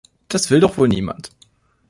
Das will doch wohl niemand.